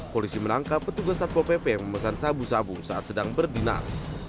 polisi menangkap petugas satpo pp yang memesan sabu sabu saat sedang berdinas